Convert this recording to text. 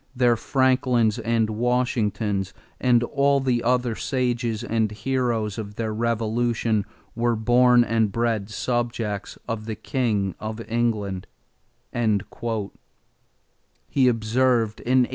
"Their Franklins and Washingtons and all the other sages and heroes of their revolution were born and bred subjects of the king of England," he observed in 1820.